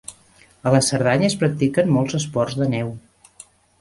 A la Cerdanya es practiquen molts esports de neu.